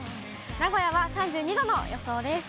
名古屋は３２度の予想です。